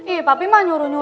ihh papi mah nyuruh nyuruh